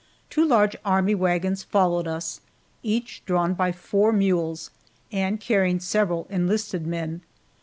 Two large army wagons followed us, each drawn by four mules, and carrying several enlisted men.